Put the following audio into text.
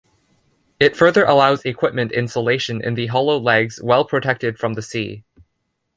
It further allows equipment installation in the hollow legs well protected from the sea.